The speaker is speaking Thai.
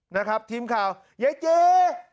นะครับทีมข่าวยายเจ